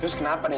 terus kenapa nih